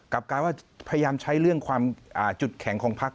กลายว่าพยายามใช้เรื่องความจุดแข็งของพัก